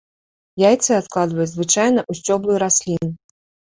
Яйцы адкладваюць звычайна ў сцёблы раслін.